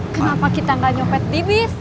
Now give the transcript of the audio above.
kenapa kita gak nyopet di bis